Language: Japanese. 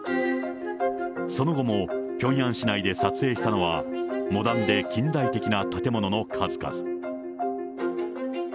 その後も、ピョンヤン市内で撮影したのは、モダンで近代的な建物の数々。